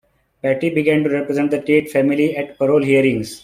Patti began to represent the Tate family at parole hearings.